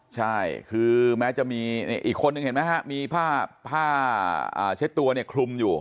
ใช่คือแม้จะมีอีกคนนึงเห็นไหมฮะมีผ้าเช็ดตัวเนี่ยคลุมอยู่